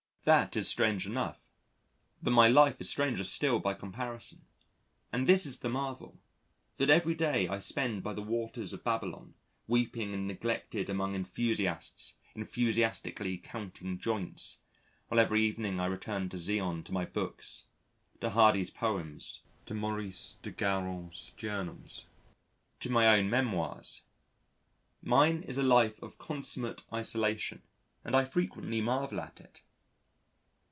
That is strange enough. But my life is stranger still by comparison. And this is the marvel: that every day I spend by the waters of Babylon, weeping and neglected among enthusiasts, enthusiastically counting joints, while every evening I return to Zion to my books, to Hardy's poems, to Maurice de Guérin's Journals, to my own memoirs. Mine is a life of consummate isolation, and I frequently marvel at it.